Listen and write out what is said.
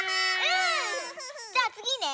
じゃあつぎね。